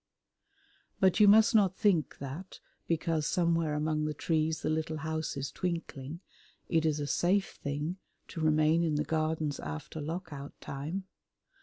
But you must not think that, because somewhere among the trees the little house is twinkling, it is a safe thing to remain in the Gardens after Lock out Time.